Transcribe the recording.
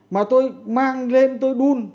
mà tôi mang lên tôi đun